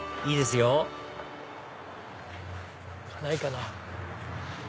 いいですよないかな？